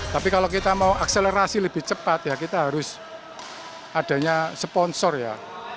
tapi kalau kita mau akselerasi lebih cepat ya kita harus adanya sponsor ya